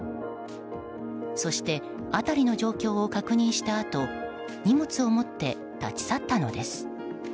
そして辺りの状況を確認したあと荷物を持って立ち去ったのです。